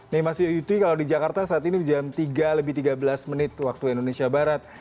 nih mas yuyutwi kalau di jakarta saat ini jam tiga lebih tiga belas menit waktu indonesia barat